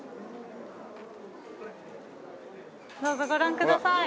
どうぞご覧ください。